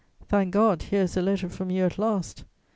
"Thank God, here is a letter from you at last!